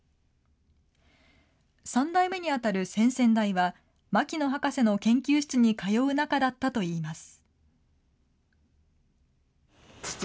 ３代目に当たる先々代は、牧野博士の研究室に通う仲だったといいます。